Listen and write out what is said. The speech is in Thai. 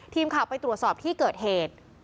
ทีมข่าวไปตรวจสอบที่เกิดเหตุ